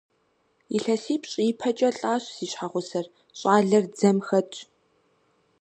ИлъэсипщӀ ипэкӀэ лӀащ си щхьэгъусэр, щӀалэр дзэм хэтщ.